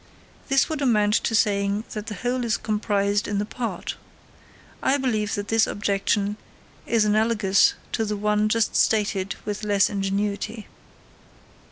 This would amount to saying that the whole is comprised in the part. I believe that this objection is analogous to the one just stated with less ingenuity.